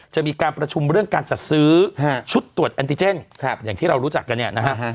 จะมีการประชุมเรื่องการจัดซื้อชุดตรวจแอนติเจนอย่างที่เรารู้จักกันเนี่ยนะฮะ